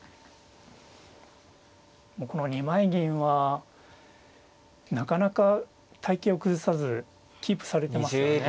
もうこの二枚銀はなかなか隊形を崩さずキープされてますよね。